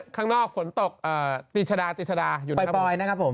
ข้างนอกฝนตกตีชดาตีชดาอยู่ในปลอยนะครับผม